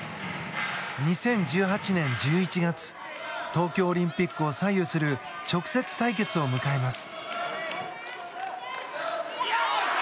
２０１８年１１月東京オリンピックを左右する直接対決を迎えます。